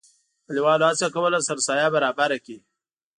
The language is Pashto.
کلیوالو هڅه کوله سرسایه برابره کړي.